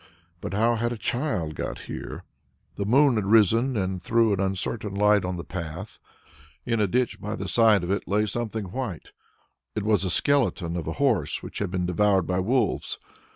But how had a child got here? The moon had risen and threw an uncertain light on the path; in a ditch by the side of it lay something white it was the skeleton of a horse which had been devoured by wolves.